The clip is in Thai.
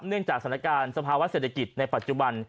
เนื่องจากสถานการณ์สภาวะเศรษฐกิจในปัจจุบัน